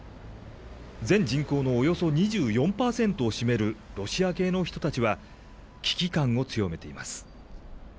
全人口のおよそ２４％を占めるロシア系の人たちは、危機感を強めています。